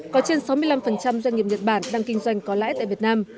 có trên sáu mươi năm doanh nghiệp nhật bản đang kinh doanh có lãi tại việt nam